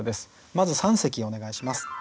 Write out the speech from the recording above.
まず三席お願いします。